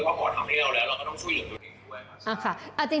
เพราะหมอทำให้เราแล้วเราก็ต้องช่วยเหลือกันด้วย